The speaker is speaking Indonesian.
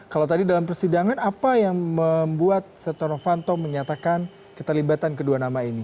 kalau tadi dalam persidangan apa yang membuat setia novanto menyatakan keterlibatan kedua nama ini